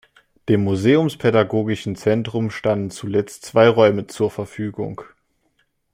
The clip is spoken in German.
Dem Museumspädagogischen Zentrum standen zuletzt zwei Räume zur Verfügung.